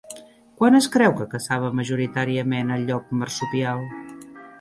Quan es creu que caçava majoritàriament el llop marsupial?